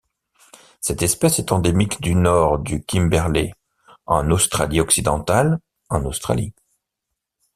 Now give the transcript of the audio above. Cette espèce est endémique du Nord du Kimberley en Australie-Occidentale en Australie.